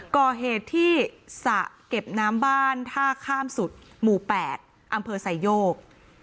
ก่อเหตุที่สระเก็บน้ำบ้านท่าข้ามสุดหมู่๘อำเภอไซโยก